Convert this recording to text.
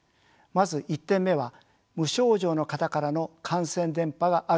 まず１点目は無症状の方からの感染・伝播があるとのことです。